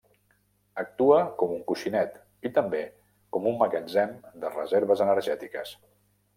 Actua com un coixinet i també com un magatzem de reserves energètiques.